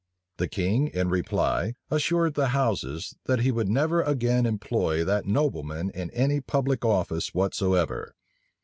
The king, in reply, assured the houses, that he would never again employ that nobleman in any public office whatsoever.